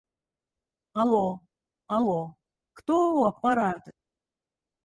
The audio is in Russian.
«Алло?» — «Алло». — «Кто у аппарата?»